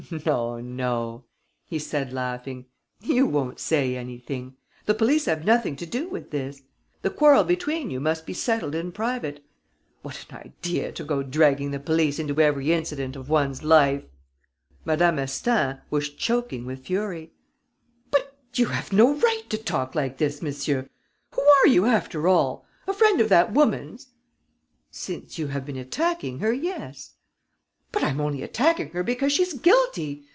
"No, no," he said, laughing, "you won't say anything! The police have nothing to do with this. The quarrel between you must be settled in private. What an idea, to go dragging the police into every incident of one's life!" Madame Astaing was choking with fury: "But you have no right to talk like this, monsieur! Who are you, after all? A friend of that woman's?" "Since you have been attacking her, yes." "But I'm only attacking her because she's guilty.